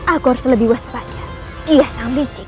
aku harus lebih waspada dia sang licik